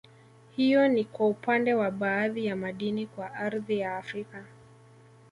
Hiyo ni kwa upande wa baadhi ya madini kwa ardhi ya Afrika